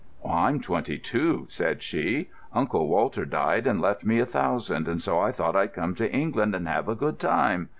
"I'm twenty two," said she. "Uncle Walter died and left me a thousand, and so I thought I'd come to England and have a good time.